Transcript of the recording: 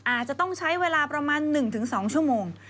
อาจจะต้องใช้เวลาประมาณ๑๒ชั่วโมง